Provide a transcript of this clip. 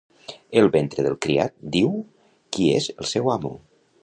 El ventre del criat diu qui és el seu amo.